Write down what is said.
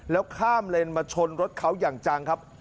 แล้วข้ามเลนมาชนรถเขาอย่างจังครับ